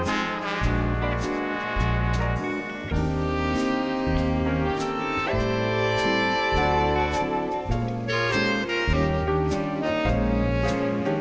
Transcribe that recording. สุดท้ายสุดท้ายสุดท้ายสุดท้ายสุดท้ายสุดท้ายสุดท้าย